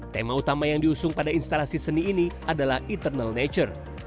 tema utama yang diusung pada instalasi seni ini adalah internal nature